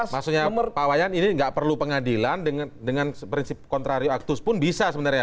maksudnya pak wayan ini tidak perlu pengadilan dengan prinsip kontrarius actus pun bisa sebenarnya